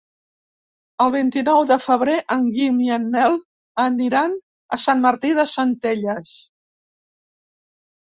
El vint-i-nou de febrer en Guim i en Nel aniran a Sant Martí de Centelles.